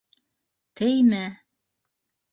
Теймә!